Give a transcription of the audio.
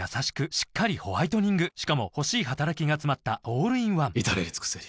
しっかりホワイトニングしかも欲しい働きがつまったオールインワン至れり尽せり